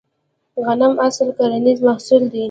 غنم اصلي کرنیز محصول دی